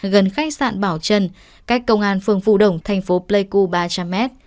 gần khách sạn bảo trần cách công an phường phù đồng thành phố pleiku ba trăm linh m